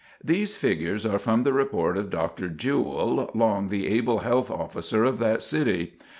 These figures are from the report of Dr. Jewell, long the able Health Officer of that city.